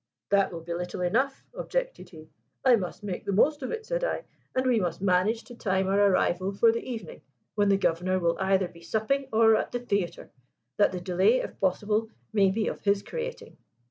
'That will be little enough,' objected he. 'I must make the most of it,' said I; 'and we must manage to time our arrival for the evening, when the Governor will either be supping or at the theatre, that the delay, if possible, may be of his creating.'